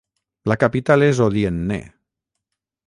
La capital és Odienné.